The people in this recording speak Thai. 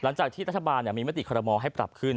หลังจากที่รัฐบาลเนี้ยมีมาติธรรมองให้ปรับขึ้น